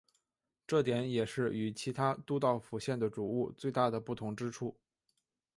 这点也是与其他都道府县的煮物最大的不同之处。